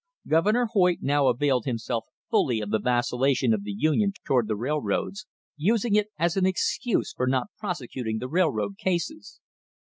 Governor Hoyt now availed himself fully of the vacillation of the Union toward the railroads, using it as an excuse for not prosecuting the railroad cases.